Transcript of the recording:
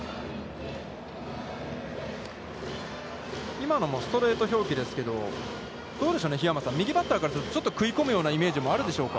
今のもストレート表記ですけどどうでしょう、桧山さん、右バッターからすると、ちょっと食い込むようなイメージもあるでしょうか。